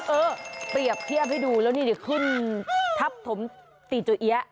เออเปรียบเทียบให้ดูแล้วนี่คืนทัพถมตีจุเยี๊ยะ